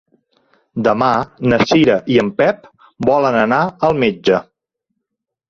Demà na Cira i en Pep volen anar al metge.